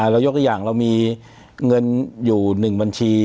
เรายกอีกอย่างเรามีเงินอยู่หนึ่งบัญชี